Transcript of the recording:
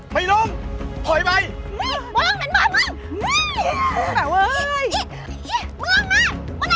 แปลวต้นไอ้ไส้นะครับป้า